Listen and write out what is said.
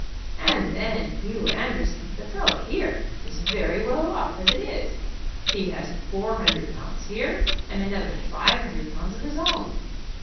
"And then Hugh Anderson, the fellow here, is very well off as it is. He has four hundred pounds here, and another five hundred pounds of his own.